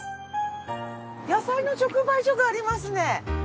野菜の直売所がありますね。